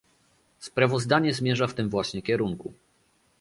Sprawozdanie zmierza w tym właśnie kierunku